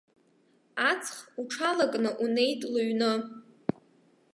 Аҵх уҽалакны унеит лыҩны.